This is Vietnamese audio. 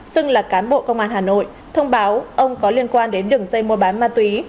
xưng là cán bộ công an hà nội thông báo ông có liên quan đến đường dây mua bán ma túy